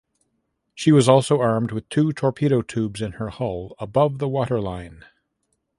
She was also armed with two torpedo tubes in her hull above the waterline.